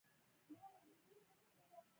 د غشا په واسطه احاطه شوی دی.